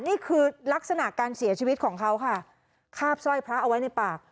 นี่คือลักษณะการเสียชีวิตของเขาค่ะคาบสร้อยพระเอาไว้ในปาก